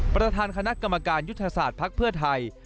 ประธานคณะกรรมการยุทธศาสตร์ภักดิ์เพื่อไทย